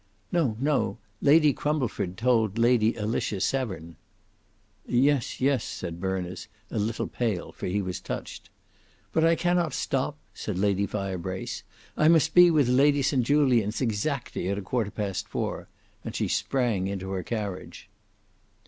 "No, no; Lady Crumbleford told Lady Alicia Severn." "Yes, yes," said Berners, a little pale, for he was touched. "But I cannot stop," said Lady Firebrace. "I must be with Lady St Julians exactly at a quarter past four;" and she sprang into her carriage.